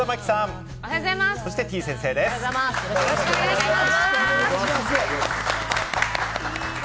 よろしくお願いします。